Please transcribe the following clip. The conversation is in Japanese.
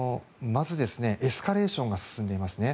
まず、エスカレーションが進んでいますね。